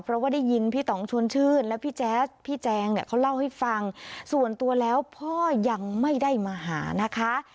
เพราะว่าได้ยินพี่ต่องชวนชื่นและพี่แจ๊สพี่แจงเนี่ยเขาเล่าให้ฟังส่วนตัวแล้วพ่อยังไม่ได้มาหานะคะ